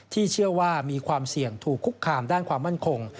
เชื่อว่ามีความเสี่ยงถูกคุกคามด้านความมั่นคง